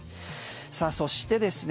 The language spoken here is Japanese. さあ、そしてですね